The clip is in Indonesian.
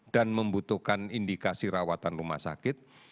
dan membutuhkan indikasi rawatan rumah sakit